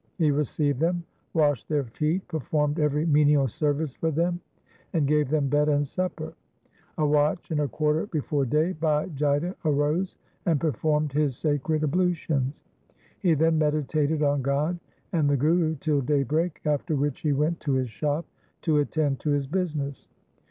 He received them, washed their feet, performed every menial service for them, and gave them bed and supper. A watch and a quarter before day Bhai Jaita arose, and performed his sacred ablutions. He then medi tated on God and the Guru till daybreak, after which he went to his shop to attend to his business.